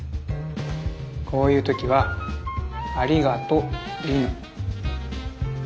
こういう時は「ありがと」でいいの。